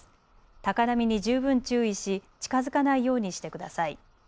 高波に十分注意し近づかないようにしてください。